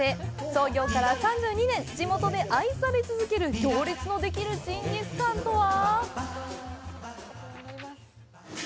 創業から３２年、地元で愛され続ける行列のできるジンギスカンとは。